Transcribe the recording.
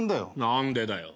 何でだよ？